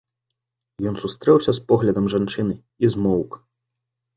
Ён сустрэўся з поглядам жанчыны і змоўк.